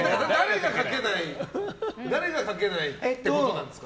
誰が書けないってことですか？